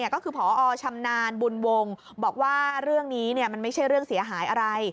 ก็คือพอชำนาญบุญวงศ์บอกว่าเรื่องนี้มันไม่ใช่เรื่องเสียหายอะไร